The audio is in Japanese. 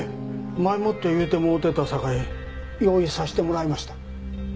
前もって言うてもろてたさかい用意させてもらいました。